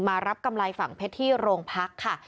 มารับกำไรฝั่งเพชรที่โรงพักค่ะ